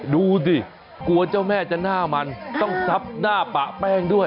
ดูสิกลัวเจ้าแม่จะหน้ามันต้องซับหน้าปะแป้งด้วย